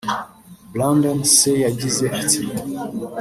Brandon se yagize ati